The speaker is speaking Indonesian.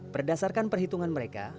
berdasarkan perhitungan mereka